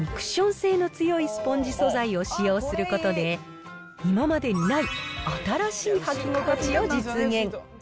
かかと部分にクッション性の強いスポンジ素材を使用することで、今までにない新しい履き心地を実現。